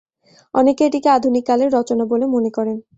অনেকে এটিকে আধুনিক কালের রচনা বলে মনে করেন।